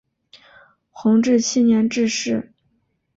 弘治七年致仕。